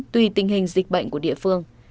tùy tình hình dịch bệnh của địa phương